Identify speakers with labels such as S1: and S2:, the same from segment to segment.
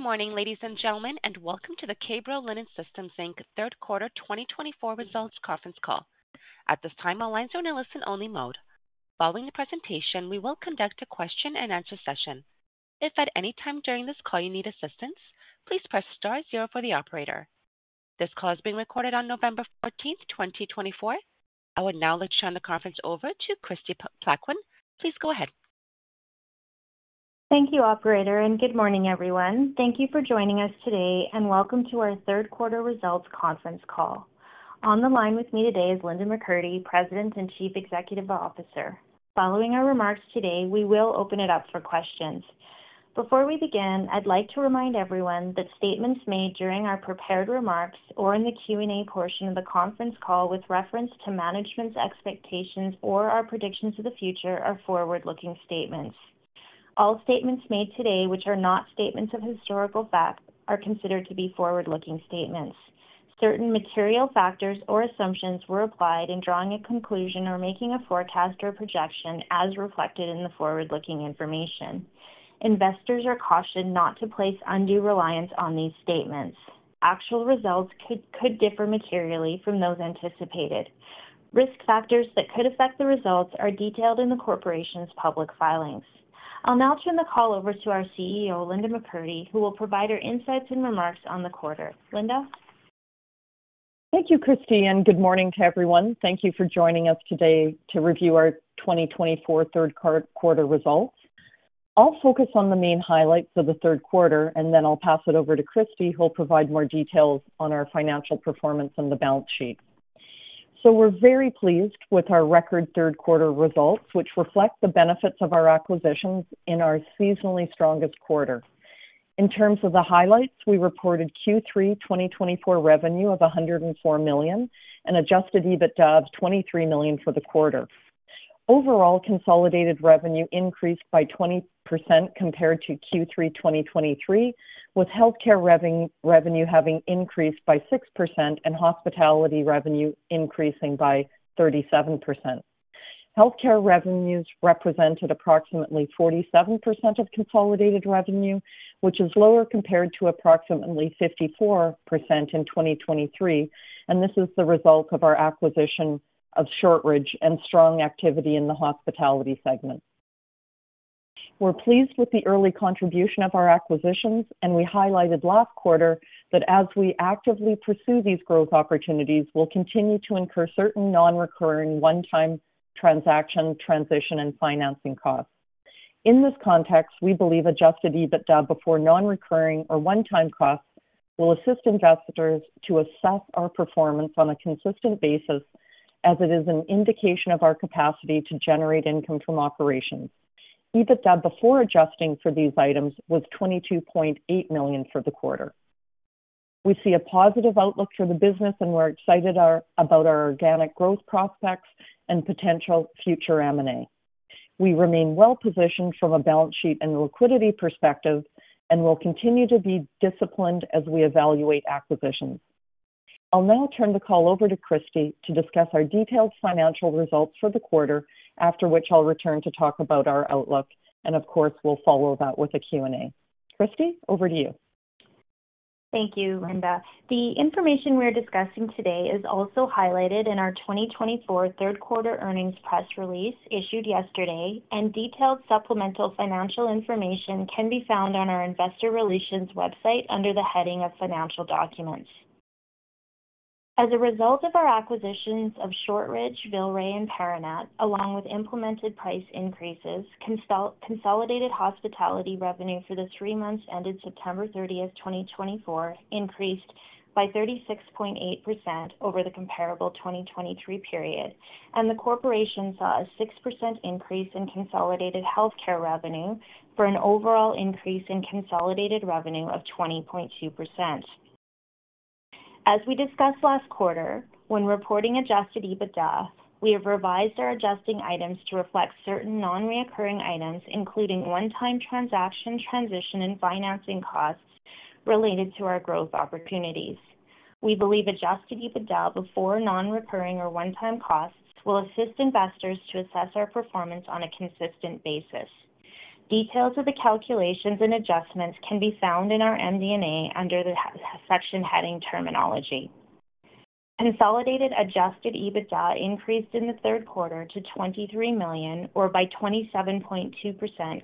S1: Good morning, ladies and gentlemen, and welcome to the K-Bro Linen Systems Inc. Q3 2024 Results Conference Call. At this time, our lines are in a listen-only mode. Following the presentation, we will conduct a question-and-answer session. If at any time during this call you need assistance, please press star zero for the operator. This call is being recorded on November 14th, 2024. I will now let you turn the conference over to Kristie Plaquin. Please go ahead.
S2: Thank you, Operator, and good morning, everyone. Thank you for joining us today, and welcome to our Q3 Results Conference Call. On the line with me today is Linda McCurdy, President and Chief Executive Officer. Following our remarks today, we will open it up for questions. Before we begin, I'd like to remind everyone that statements made during our prepared remarks or in the Q&A portion of the conference call with reference to management's expectations or our predictions of the future are forward-looking statements. All statements made today, which are not statements of historical fact, are considered to be forward-looking statements. Certain material factors or assumptions were applied in drawing a conclusion or making a forecast or projection as reflected in the forward-looking information. Investors are cautioned not to place undue reliance on these statements. Actual results could differ materially from those anticipated. Risk factors that could affect the results are detailed in the corporation's public filings. I'll now turn the call over to our CEO, Linda McCurdy, who will provide her insights and remarks on the quarter. Linda?
S3: Thank you, Kristie. Good morning to everyone. Thank you for joining us today to review our 2024 Q3 results. I'll focus on the main highlights of the Q3, and then I'll pass it over to Kristie, who'll provide more details on our financial performance and the balance sheet. We're very pleased with our record Q3 results, which reflect the benefits of our acquisitions in our seasonally strongest quarter. In terms of the highlights, we reported Q3 2024 revenue of CAD 104 million and Adjusted EBITDA of CAD 23 million for the quarter. Overall, consolidated revenue increased by 20% compared to Q3 2023, with healthcare revenue having increased by 6% and hospitality revenue increasing by 37%. Healthcare revenues represented approximately 47% of consolidated revenue, which is lower compared to approximately 54% in 2023, and this is the result of our acquisition of Shortridge and strong activity in the hospitality segment. We're pleased with the early contribution of our acquisitions, and we highlighted last quarter that as we actively pursue these growth opportunities, we'll continue to incur certain non-recurring one-time transaction transition and financing costs. In this context, we believe Adjusted EBITDA before non-recurring or one-time costs will assist investors to assess our performance on a consistent basis, as it is an indication of our capacity to generate income from operations. EBITDA before adjusting for these items was 22.8 million for the quarter. We see a positive outlook for the business, and we're excited about our organic growth prospects and potential future M&A. We remain well-positioned from a balance sheet and liquidity perspective and will continue to be disciplined as we evaluate acquisitions. I'll now turn the call over to Kristie to discuss our detailed financial results for the quarter, after which I'll return to talk about our outlook, and of course, we'll follow that with a Q&A. Kristie, over to you.
S2: Thank you, Linda. The information we're discussing today is also highlighted in our 2024 Q3 Earnings Press Release issued yesterday, and detailed supplemental financial information can be found on our Investor Relations website under the heading of Financial Documents. As a result of our acquisitions of Shortridge, Villeray, and Paranet, along with implemented price increases, consolidated hospitality revenue for the three months ended September 30th, 2024, increased by 36.8% over the comparable 2023 period, and the corporation saw a 6% increase in consolidated healthcare revenue for an overall increase in consolidated revenue of 20.2%. As we discussed last quarter, when reporting Adjusted EBITDA, we have revised our adjusting items to reflect certain non-recurring items, including one-time transaction transition and financing costs related to our growth opportunities. We believe Adjusted EBITDA before non-recurring or one-time costs will assist investors to assess our performance on a consistent basis. Details of the calculations and adjustments can be found in our MD&A under the section heading terminology. Consolidated Adjusted EBITDA increased in the Q3 to 23 million, or by 27.2%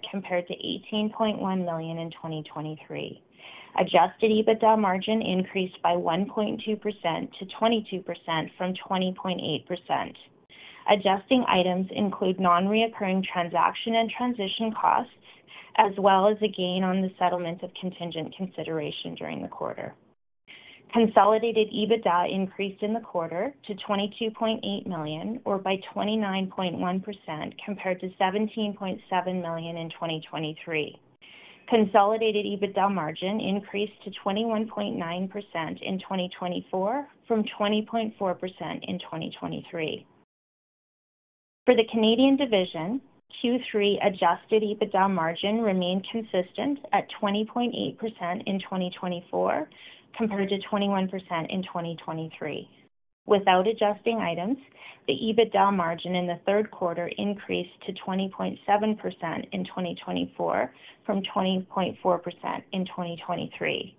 S2: compared to 18.1 million in 2023. Adjusted EBITDA margin increased by 1.2% to 22% from 20.8%. Adjusting items include non-recurring transaction and transition costs, as well as a gain on the settlement of contingent consideration during the quarter. Consolidated EBITDA increased in the quarter to 22.8 million, or by 29.1% compared to 17.7 million in 2023. Consolidated EBITDA margin increased to 21.9% in 2024 from 20.4% in 2023. For the Canadian division, Q3 Adjusted EBITDA margin remained consistent at 20.8% in 2024 compared to 21% in 2023. Without adjusting items, the EBITDA margin in the Q3 increased to 20.7% in 2024 from 20.4% in 2023.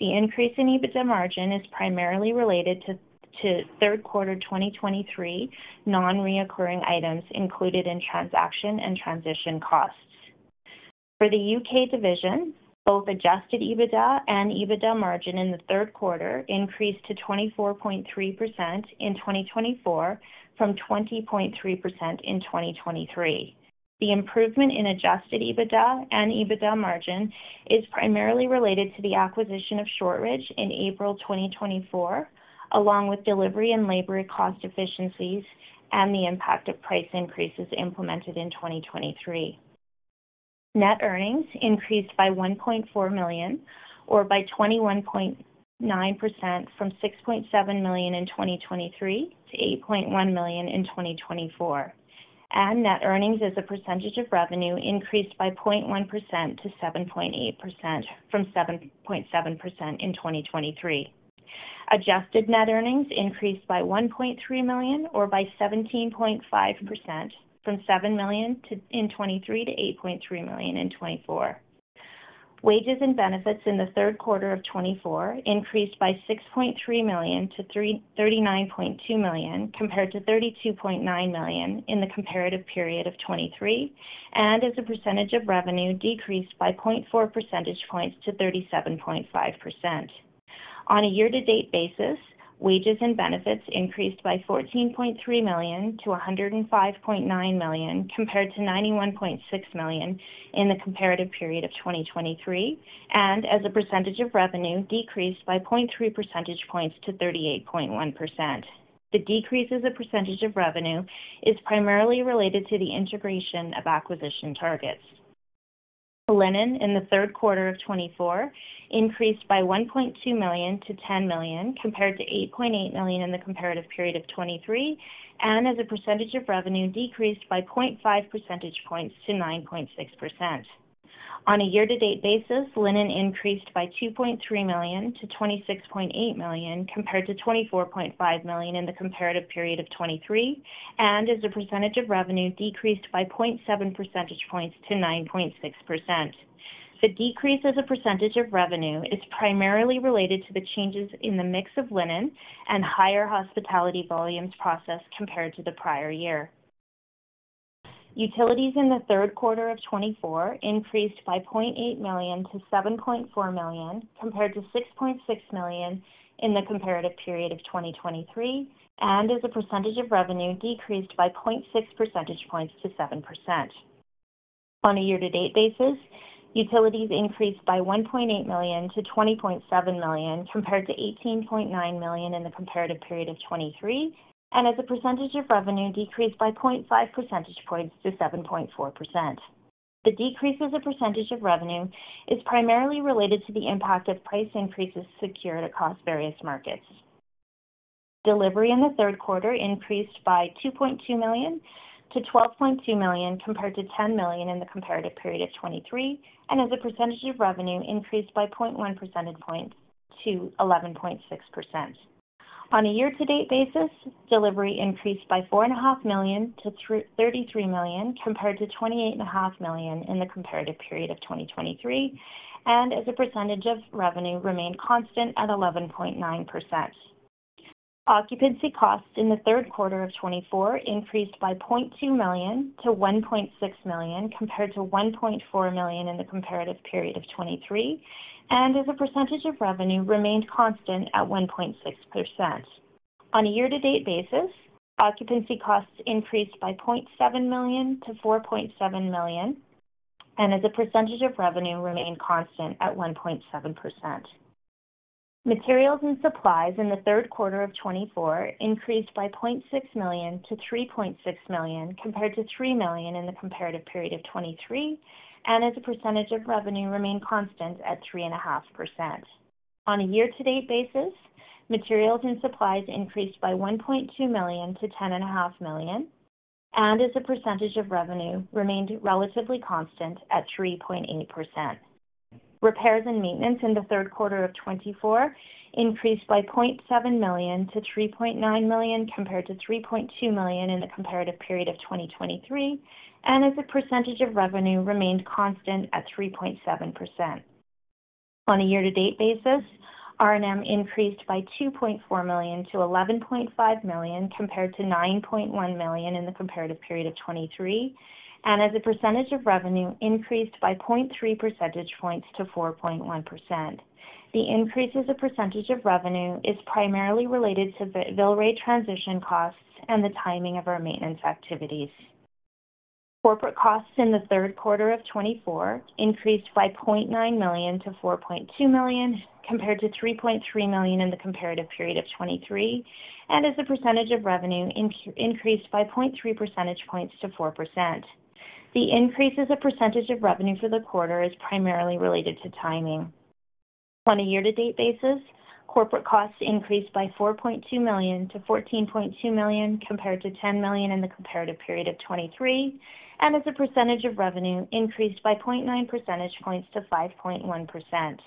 S2: The increase in EBITDA margin is primarily related to Q3 2023 non-recurring items included in transaction and transition costs. For the U.K. division, both Adjusted EBITDA and EBITDA margin in the Q3 increased to 24.3% in 2024 from 20.3% in 2023. The improvement in Adjusted EBITDA and EBITDA margin is primarily related to the acquisition of Shortridge in April 2024, along with delivery and labor cost efficiencies and the impact of price increases implemented in 2023. Net earnings increased by 1.4 million, or by 21.9% from 6.7 million in 2023 to 8.1 million in 2024. Net earnings as a percentage of revenue increased by 0.1% to 7.8% from 7.7% in 2023. Adjusted net earnings increased by 1.3 million, or by 17.5% from 7 million in 2023 to 8.3 million in 2024. Wages and benefits in the Q3 of 2024 increased by 6.3 million to 39.2 million compared to 32.9 million in the comparative period of 2023, and as a percentage of revenue decreased by 0.4 percentage points to 37.5%. On a year-to-date basis, wages and benefits increased by 14.3 million to 105.9 million compared to 91.6 million in the comparative period of 2023, and as a percentage of revenue decreased by 0.3 percentage points to 38.1%. The decrease as a percentage of revenue is primarily related to the integration of acquisition targets. Linen in the Q3 of 2024 increased by 1.2 million to 10 million compared to 8.8 million in the comparative period of 2023, and as a percentage of revenue decreased by 0.5 percentage points to 9.6%. On a year-to-date basis, linen increased by 2.3 million to 26.8 million compared to 24.5 million in the comparative period of 2023, and as a percentage of revenue decreased by 0.7 percentage points to 9.6%. The decrease as a percentage of revenue is primarily related to the changes in the mix of linen and higher hospitality volumes processed compared to the prior year. Utilities in the Q3 of 2024 increased by 0.8 million to 7.4 million compared to 6.6 million in the comparative period of 2023, and as a percentage of revenue decreased by 0.6 percentage points to 7%. On a year-to-date basis, utilities increased by 1.8 million to 20.7 million compared to 18.9 million in the comparative period of 2023, and as a percentage of revenue decreased by 0.5 percentage points to 7.4%. The decrease as a percentage of revenue is primarily related to the impact of price increases secured across various markets. Delivery in the Q3 increased by 2.2 million to 12.2 million compared to 10 million in the comparative period of 2023, and as a percentage of revenue increased by 0.1 percentage points to 11.6%. On a year-to-date basis, delivery increased by 4.5 million to 33 million compared to 28.5 million in the comparative period of 2023, and as a percentage of revenue remained constant at 11.9%. Occupancy costs in the Q3 of 2024 increased by 0.2 million to 1.6 million compared to 1.4 million in the comparative period of 2023, and as a percentage of revenue remained constant at 1.6%. On a year-to-date basis, occupancy costs increased by 0.7 million to 4.7 million, and as a percentage of revenue remained constant at 1.7%. Materials and supplies in the Q3 of 2024 increased by 0.6 million to 3.6 million compared to 3 million in the comparative period of 2023, and as a percentage of revenue remained constant at 3.5%. On a year-to-date basis, materials and supplies increased by 1.2 million to 10.5 million, and as a percentage of revenue remained relatively constant at 3.8%. Repairs and maintenance in the Q3 of 2024 increased by 0.7 million to 3.9 million compared to 3.2 million in the comparative period of 2023, and as a percentage of revenue remained constant at 3.7%. On a year-to-date basis, R&M increased by 2.4 million to 11.5 million compared to 9.1 million in the comparative period of 2023, and as a percentage of revenue increased by 0.3 percentage points to 4.1%. The increase as a percentage of revenue is primarily related to Villeray transition costs and the timing of our maintenance activities. Corporate costs in the Q3 of 2024 increased by 0.9 million to 4.2 million compared to 3.3 million in the comparative period of 2023, and as a percentage of revenue increased by 0.3 percentage points to 4%. The increase as a percentage of revenue for the quarter is primarily related to timing. On a year-to-date basis, corporate costs increased by 4.2 million to 14.2 million compared to 10 million in the comparative period of 2023, and as a percentage of revenue increased by 0.9 percentage points to 5.1%.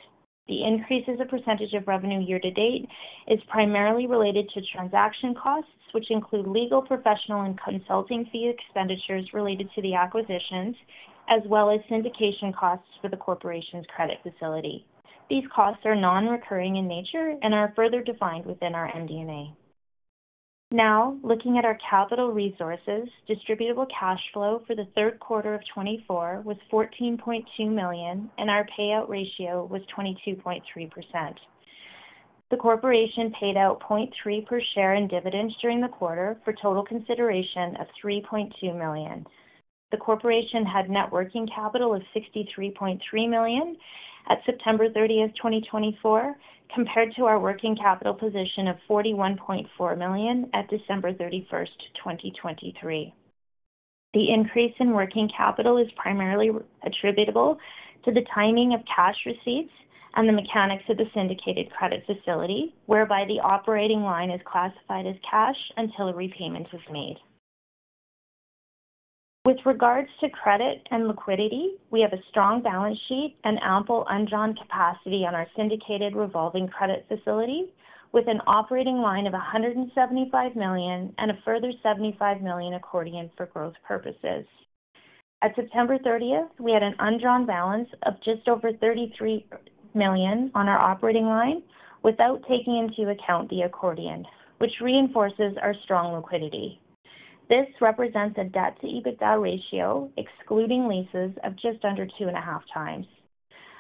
S2: The increase as a percentage of revenue year-to-date is primarily related to transaction costs, which include legal, professional, and consulting fee expenditures related to the acquisitions, as well as syndication costs for the corporation's credit facility. These costs are non-recurring in nature and are further defined within our MD&A. Now, looking at our capital resources, distributable cash flow for the Q3 of 2024 was 14.2 million, and our payout ratio was 22.3%. The corporation paid out 0.3 per share in dividends during the quarter for total consideration of 3.2 million. The corporation had net working capital of 63.3 million at September 30th, 2024, compared to our working capital position of 41.4 million at December 31st, 2023. The increase in working capital is primarily attributable to the timing of cash receipts and the mechanics of the syndicated credit facility, whereby the operating line is classified as cash until a repayment is made. With regards to credit and liquidity, we have a strong balance sheet and ample undrawn capacity on our syndicated revolving credit facility, with an operating line of 175 million and a further 75 million accordion for growth purposes. At September 30th, we had an undrawn balance of just over 33 million on our operating line without taking into account the accordion, which reinforces our strong liquidity. This represents a debt-to-EBITDA ratio excluding leases of just under two and a half times.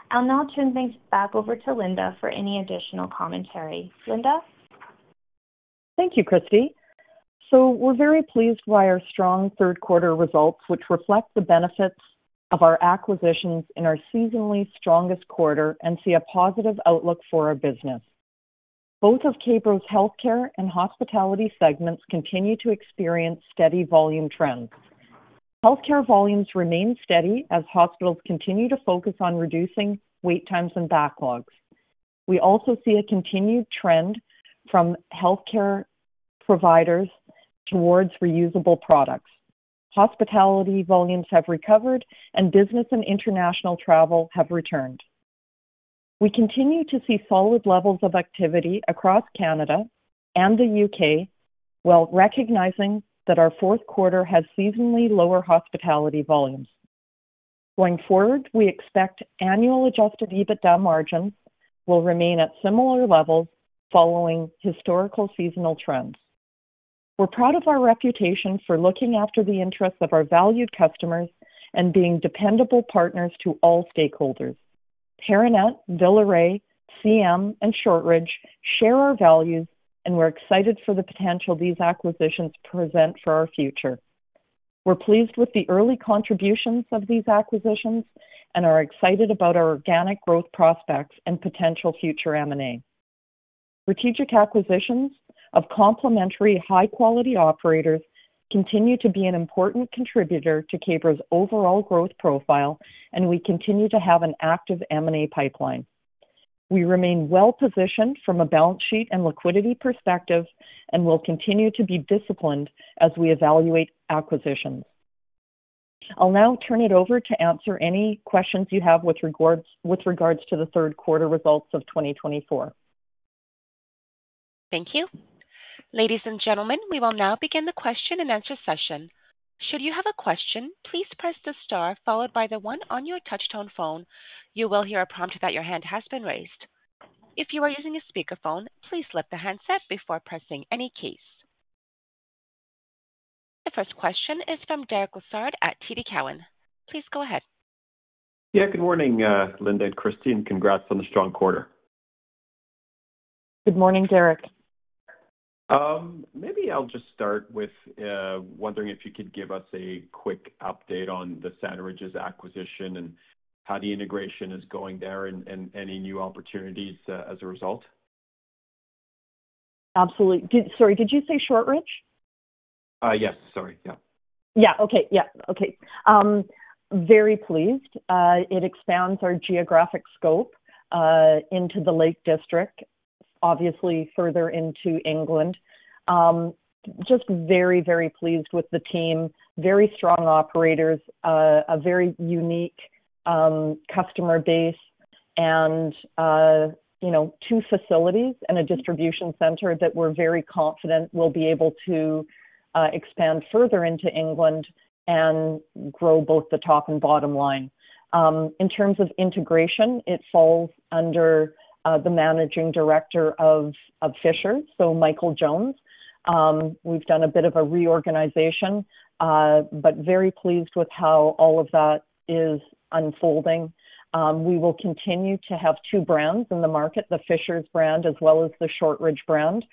S2: I'll now turn things back over to Linda for any additional commentary. Linda?
S3: Thank you, Kristie. So we're very pleased by our strong Q3 results, which reflect the benefits of our acquisitions in our seasonally strongest quarter and see a positive outlook for our business. Both of K-Bro's healthcare and hospitality segments continue to experience steady volume trends. Healthcare volumes remain steady as hospitals continue to focus on reducing wait times and backlogs. We also see a continued trend from healthcare providers towards reusable products. Hospitality volumes have recovered, and business and international travel have returned. We continue to see solid levels of activity across Canada and the U.K., while recognizing that our Q4 has seasonally lower hospitality volumes. Going forward, we expect annual Adjusted EBITDA margins will remain at similar levels following historical seasonal trends. We're proud of our reputation for looking after the interests of our valued customers and being dependable partners to all stakeholders. Paranet, Villeray, C.M., and Shortridge share our values, and we're excited for the potential these acquisitions present for our future. We're pleased with the early contributions of these acquisitions and are excited about our organic growth prospects and potential future M&A. Strategic acquisitions of complementary high-quality operators continue to be an important contributor to K-Bro's overall growth profile, and we continue to have an active M&A pipeline. We remain well-positioned from a balance sheet and liquidity perspective and will continue to be disciplined as we evaluate acquisitions. I'll now turn it over to answer any questions you have with regards to the Q3 results of 2024.
S1: Thank you. Ladies and gentlemen, we will now begin the question and answer session. Should you have a question, please press the star followed by the one on your touchtone phone. You will hear a prompt that your hand has been raised. If you are using a speakerphone, please lift the handset before pressing any keys. The first question is from Derek Lessard at TD Cowen. Please go ahead.
S4: Yeah, good morning, Linda and Kristie, and congrats on the strong quarter.
S3: Good morning, Derek.
S4: Maybe I'll just start with wondering if you could give us a quick update on the Shortridge's acquisition and how the integration is going there and any new opportunities as a result.
S3: Absolutely. Sorry, did you say Shortridge?
S4: Yes, sorry. Yeah.
S3: Yeah. Okay. Yeah. Okay. Very pleased. It expands our geographic scope into the Lake District, obviously further into England. Just very, very pleased with the team. Very strong operators, a very unique customer base, and two facilities and a distribution center that we're very confident will be able to expand further into England and grow both the top and bottom line. In terms of integration, it falls under the managing director of Fishers, so Michael Jones. We've done a bit of a reorganization, but very pleased with how all of that is unfolding. We will continue to have two brands in the market, the Fishers' brand as well as the Shortridge brand.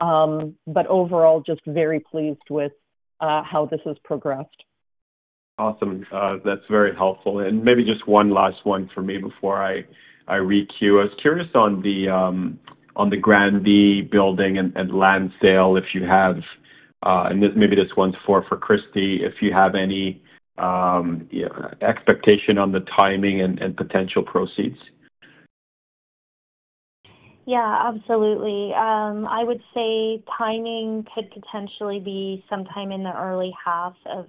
S3: But overall, just very pleased with how this has progressed.
S4: Awesome. That's very helpful. And maybe just one last one for me before I re-queue. I was curious on the Granby building and land sale, if you have, and maybe this one's for Kristie, if you have any expectation on the timing and potential proceeds.
S2: Yeah, absolutely. I would say timing could potentially be sometime in the early half of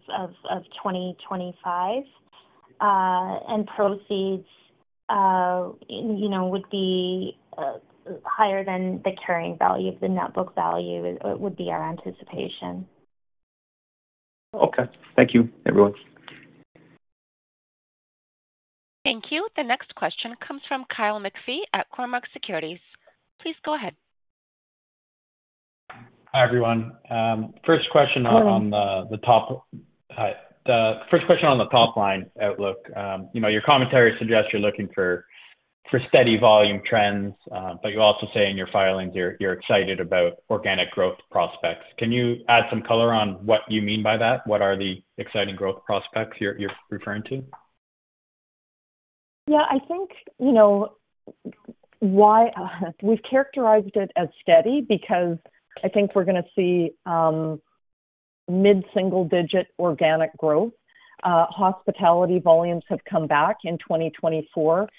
S2: 2025, and proceeds would be higher than the carrying value of the net book value, would be our anticipation.
S4: Okay. Thank you, everyone.
S1: Thank you. The next question comes from Kyle McPhee at Cormark Securities. Please go ahead.
S5: Hi, everyone. First question on the top line outlook. Your commentary suggests you're looking for steady volume trends, but you also say in your filings you're excited about organic growth prospects. Can you add some color on what you mean by that? What are the exciting growth prospects you're referring to?
S3: Yeah. I think we've characterized it as steady because I think we're going to see mid-single-digit organic growth. Hospitality volumes have come back in 2024.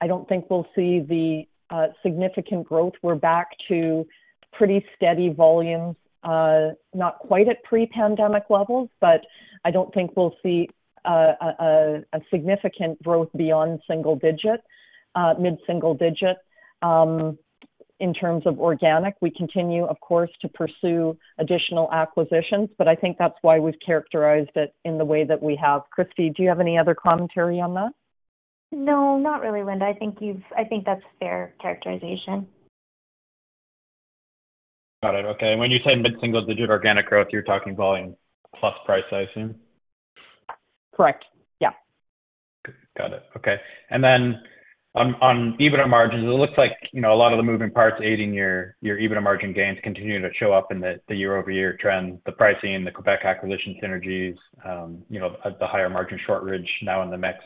S3: I don't think we'll see the significant growth. We're back to pretty steady volumes, not quite at pre-pandemic levels, but I don't think we'll see a significant growth beyond single digit, mid-single digit. In terms of organic, we continue, of course, to pursue additional acquisitions, but I think that's why we've characterized it in the way that we have. Kristie, do you have any other commentary on that?
S2: No, not really, Linda. I think that's a fair characterization.
S4: Got it. Okay. And when you say mid-single-digit organic growth, you're talking volume plus price, I assume?
S3: Correct. Yeah.
S6: Got it. Okay, and then on EBITDA margins, it looks like a lot of the moving parts aiding your EBITDA margin gains continue to show up in the year-over-year trend, the pricing, the Quebec acquisition synergies, the higher margin Shortridge now in the mix,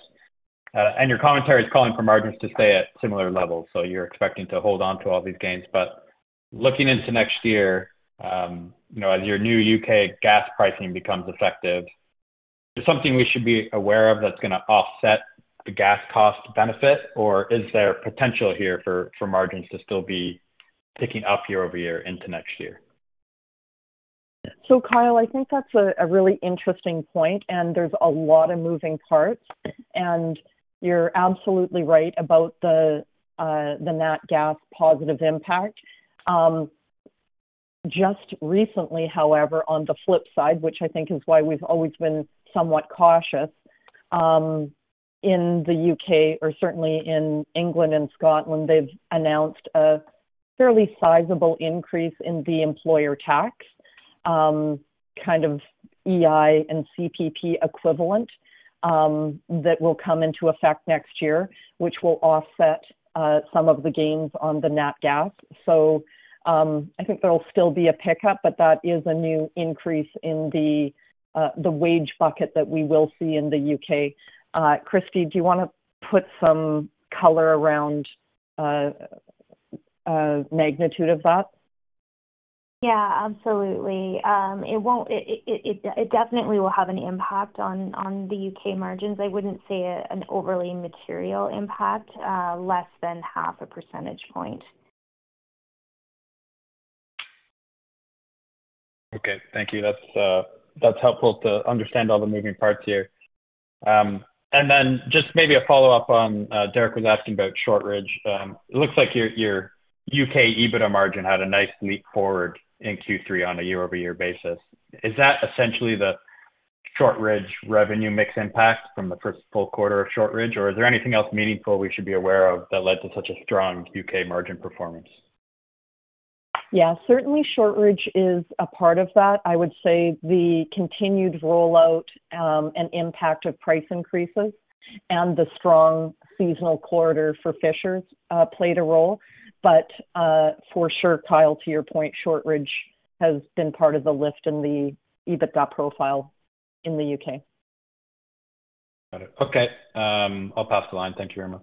S6: and your commentary is calling for margins to stay at similar levels, so you're expecting to hold on to all these gains, but looking into next year, as your new U.K. gas pricing becomes effective, is there something we should be aware of that's going to offset the gas cost benefit, or is there potential here for margins to still be picking up year-over-year into next year?
S3: So Kyle, I think that's a really interesting point, and there's a lot of moving parts. And you're absolutely right about the net wage positive impact. Just recently, however, on the flip side, which I think is why we've always been somewhat cautious, in the U.K., or certainly in England and Scotland, they've announced a fairly sizable increase in the employer tax, kind of EI and CPP equivalent, that will come into effect next year, which will offset some of the gains on the net wage. So I think there'll still be a pickup, but that is a new increase in the wage bucket that we will see in the U.K. Kristie, do you want to put some color around magnitude of that?
S2: Yeah, absolutely. It definitely will have an impact on the U.K. margins. I wouldn't say an overly material impact, less than half a percentage point.
S6: Okay. Thank you. That's helpful to understand all the moving parts here. And then just maybe a follow-up on Derek was asking about Shortridge. It looks like your U.K. EBITDA margin had a nice leap forward in Q3 on a year-over-year basis. Is that essentially the Shortridge revenue mix impact from the first full quarter of Shortridge, or is there anything else meaningful we should be aware of that led to such a strong U.K. margin performance?
S3: Yeah. Certainly, Shortridge is a part of that. I would say the continued rollout and impact of price increases and the strong seasonal quarter for Fisher's played a role. But for sure, Kyle, to your point, Shortridge has been part of the lift in the EBITDA profile in the U.K..
S6: Got it. Okay. I'll pass the line. Thank you very much.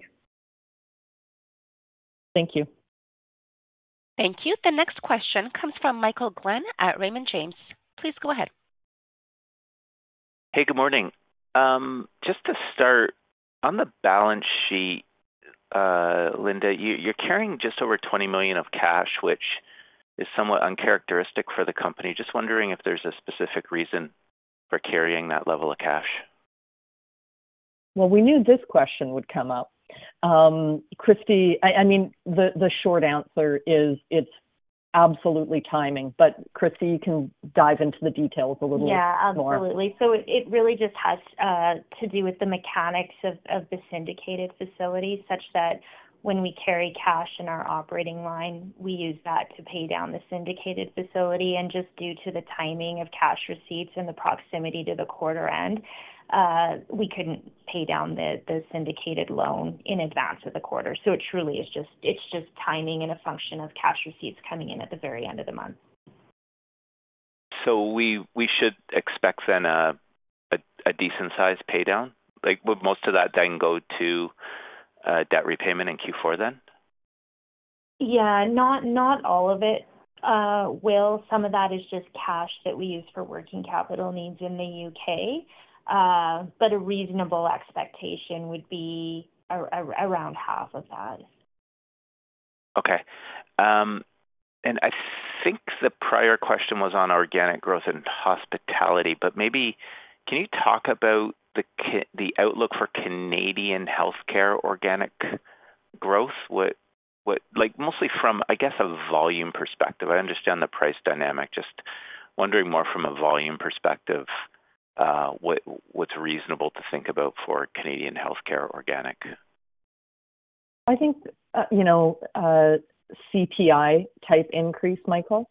S3: Thank you.
S1: Thank you. The next question comes from Michael Glen at Raymond James. Please go ahead.
S7: Hey, good morning. Just to start, on the balance sheet, Linda, you're carrying just over 20 million of cash, which is somewhat uncharacteristic for the company. Just wondering if there's a specific reason for carrying that level of cash.
S3: We knew this question would come up. Kristie, I mean, the short answer is it's absolutely timing. But Kristie, you can dive into the details a little more.
S2: Yeah, absolutely. So it really just has to do with the mechanics of the syndicated facility such that when we carry cash in our operating line, we use that to pay down the syndicated facility. And just due to the timing of cash receipts and the proximity to the quarter end, we couldn't pay down the syndicated loan in advance of the quarter. So it truly is just timing and a function of cash receipts coming in at the very end of the month.
S7: So we should expect then a decent-sized paydown? Would most of that then go to debt repayment in Q4 then?
S2: Yeah. Not all of it will. Some of that is just cash that we use for working capital needs in the U.K. But a reasonable expectation would be around half of that.
S7: Okay. And I think the prior question was on organic growth and hospitality. But maybe can you talk about the outlook for Canadian healthcare organic growth? Mostly from, I guess, a volume perspective. I understand the price dynamic. Just wondering more from a volume perspective, what's reasonable to think about for Canadian healthcare organic?
S3: I think CPI-type increase, Michael.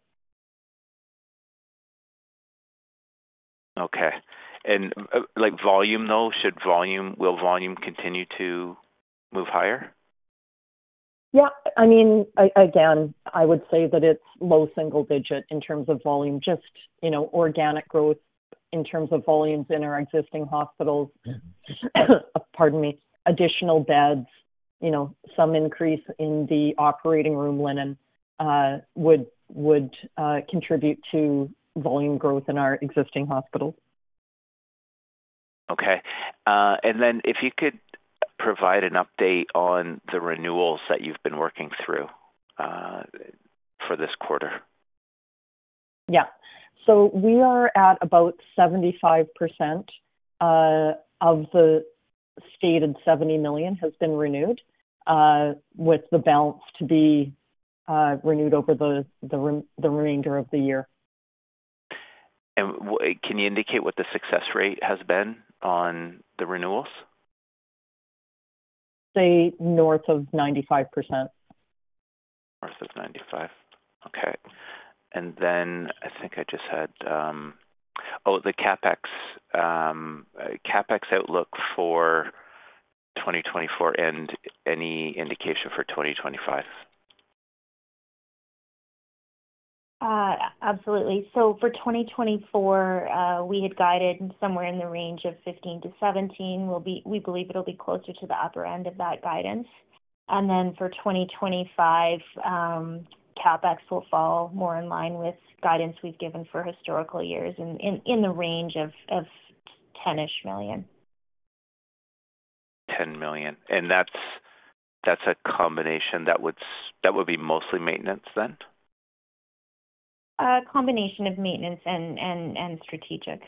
S7: Okay. And volume, though, will volume continue to move higher?
S3: Yeah. I mean, again, I would say that it's low single-digit in terms of volume. Just organic growth in terms of volumes in our existing hospitals, pardon me, additional beds, some increase in the operating room linen would contribute to volume growth in our existing hospitals.
S7: Okay. And then if you could provide an update on the renewals that you've been working through for this quarter?
S3: Yeah. So we are at about 75% of the stated 70 million has been renewed, with the balance to be renewed over the remainder of the year.
S7: Can you indicate what the success rate has been on the renewals?
S3: Say north of 95%.
S7: North of 95. Okay. And then I think I just had. Oh, the CapEx outlook for 2024 and any indication for 2025.
S2: Absolutely. So for 2024, we had guided somewhere in the range of 15-17. We believe it'll be closer to the upper end of that guidance. And then for 2025, CapEx will fall more in line with guidance we've given for historical years in the range of 10-ish million.
S7: 10 million. And that's a combination that would be mostly maintenance then?
S2: A combination of maintenance and strategic.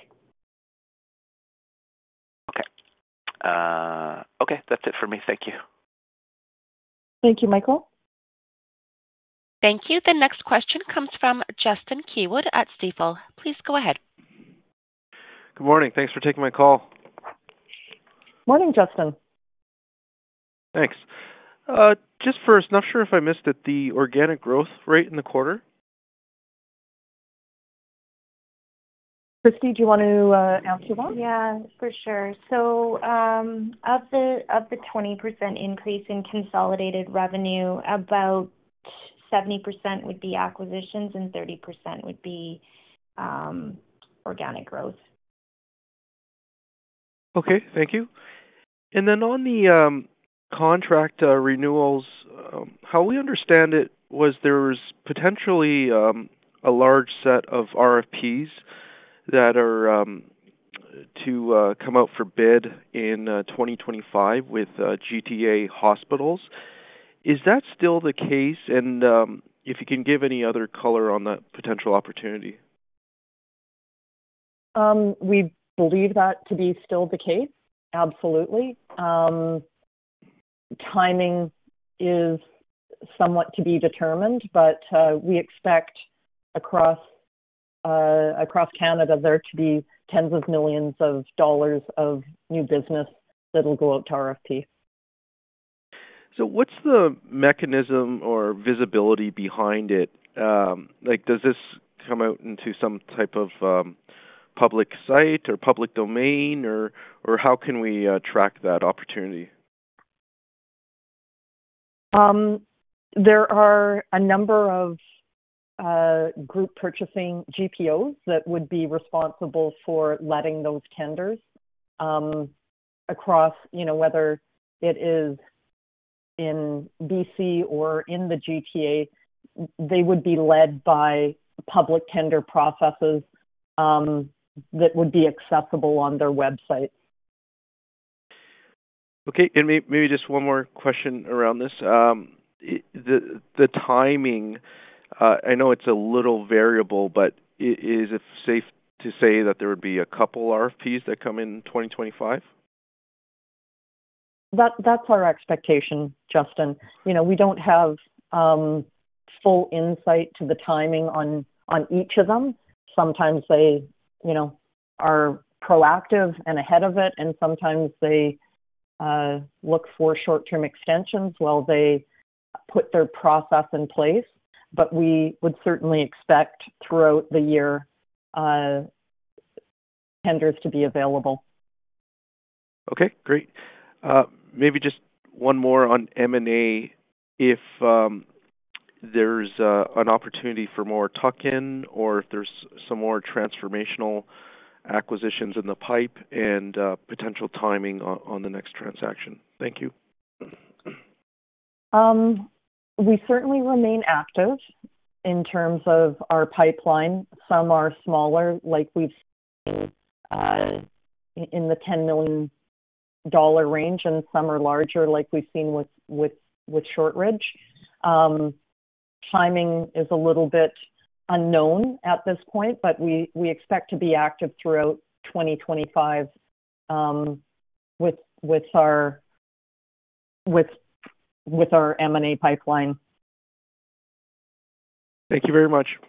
S7: Okay. Okay. That's it for me. Thank you.
S3: Thank you, Michael.
S1: Thank you. The next question comes from Justin Keywood at Stifel. Please go ahead.
S8: Good morning. Thanks for taking my call.
S3: Morning, Justin.
S8: Thanks. Just first, not sure if I missed it, the organic growth rate in the quarter?
S3: Kristie, do you want to answer that?
S2: Yeah, for sure. So of the 20% increase in consolidated revenue, about 70% would be acquisitions and 30% would be organic growth.
S8: Okay. Thank you, and then on the contract renewals, how we understand it, there was potentially a large set of RFPs that are to come out for bid in 2025 with GTA hospitals. Is that still the case, and if you can give any other color on that potential opportunity?
S3: We believe that to be still the case. Absolutely. Timing is somewhat to be determined, but we expect across Canada there to be tens of millions CAD of new business that'll go out to RFP.
S8: So what's the mechanism or visibility behind it? Does this come out into some type of public site or public domain, or how can we track that opportunity?
S3: There are a number of group purchasing GPOs that would be responsible for letting those tenders across, whether it is in BC or in the GTA. They would be led by public tender processes that would be accessible on their website.
S8: Okay. And maybe just one more question around this. The timing, I know it's a little variable, but is it safe to say that there would be a couple RFPs that come in 2025?
S3: That's our expectation, Justin. We don't have full insight to the timing on each of them. Sometimes they are proactive and ahead of it, and sometimes they look for short-term extensions while they put their process in place. But we would certainly expect throughout the year tenders to be available.
S8: Okay. Great. Maybe just one more on M&A. If there's an opportunity for more tuck-in or if there's some more transformational acquisitions in the pipe and potential timing on the next transaction? Thank you.
S3: We certainly remain active in terms of our pipeline. Some are smaller, like we've seen in the 10 million dollar range, and some are larger, like we've seen with Shortridge. Timing is a little bit unknown at this point, but we expect to be active throughout 2025 with our M&A pipeline.
S8: Thank you very much.